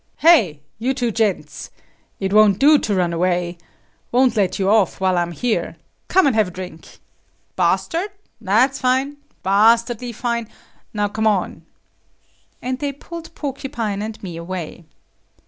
"Hey, you two gents, if won't do to run away. Won't let you off while I'm here. Come and have a drink. Bastard? That's fine. Bastardly fine. Now, come on." And they pulled Porcupine and me away.